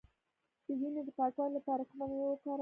د وینې د پاکوالي لپاره کومه میوه وکاروم؟